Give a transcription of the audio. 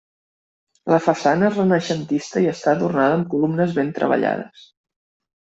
La façana és renaixentista i està adornada amb columnes ben treballades.